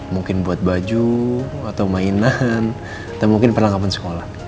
mungkin buat baju atau mainan atau mungkin perlengkapan sekolah